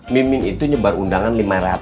mimin itu nyebar undangan lima ratus